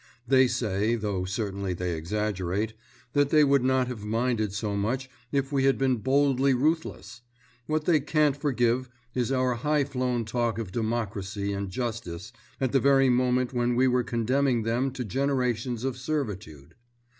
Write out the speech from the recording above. They say—though certainly they exaggerate—that they would not have minded so much if we had been boldly ruthless; what they can't forgive is our high flown talk of democracy and justice at the very moment when we were condemning them to generations of servitude.